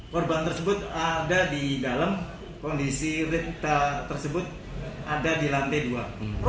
korban tersebut ada di dalam kondisi rit tersebut ada di lantai dua